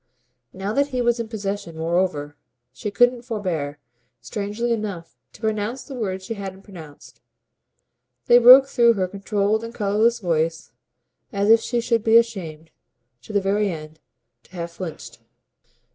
Now that he was in possession moreover she couldn't forbear, strangely enough, to pronounce the words she hadn't pronounced: they broke through her controlled and colourless voice as if she should be ashamed, to the very end, to have flinched.